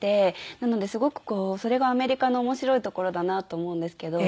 なのですごくそれがアメリカの面白いところだなと思うんですけど。